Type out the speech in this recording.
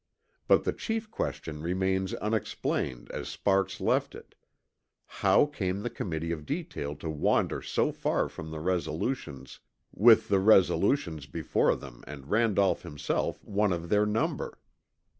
But the chief question remains unexplained as Sparks left it, How came the Committee of Detail to wander so far from the resolutions "with the resolutions before them and Randolph himself one of their number"?